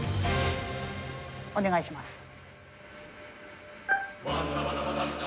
お願いします。